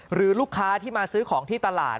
หรือลูกค้าที่มาซื้อของที่ตลาด